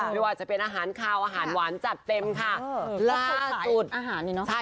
ไม่ว่าจะเป็นอาหารขาวอาหารหวานจัดเต็มค่ะล่าะอาหารอยู่น่ะ